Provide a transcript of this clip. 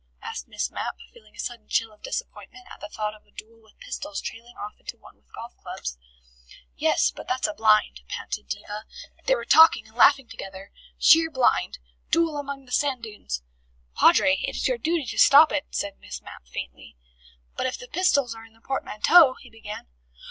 asked Miss Mapp, feeling a sudden chill of disappointment at the thought of a duel with pistols trailing off into one with golf clubs. "Yes, but that's a blind," panted Diva. "They were talking and laughing together. Sheer blind! Duel among the sand dunes!" "Padre, it is your duty to stop it," said Miss Mapp faintly. "But if the pistols are in a portmanteau " he began.